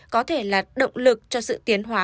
có thể là động lực cho sự tiến hóa